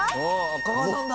「加賀さんだ！」